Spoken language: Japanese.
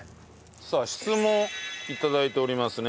さあ質問頂いておりますね。